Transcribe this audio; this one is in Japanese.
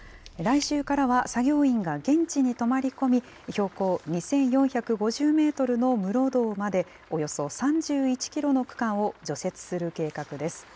来週からは作業員が現地に泊まり込み、標高２４５０メートルの室堂まで、およそ３１キロの区間を除雪する計画です。